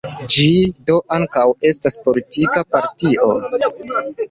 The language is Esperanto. Ĝi do ankaŭ estas politika partio.